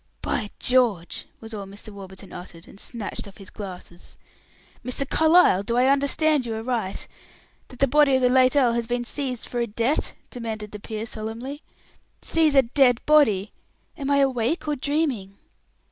"By George!" was all Mr. Warburton uttered, and snatched off his glasses. "Mr. Carlyle, do I understand you aright that the body of the late earl has been seized for a debt?" demanded the peer, solemnly. "Seize a dead body! Am I awake or dreaming?"